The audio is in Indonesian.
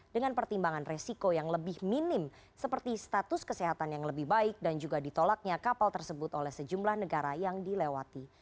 dengan pertimbangan resiko yang lebih minim seperti status kesehatan yang lebih baik dan juga ditolaknya kapal tersebut oleh sejumlah negara yang dilewati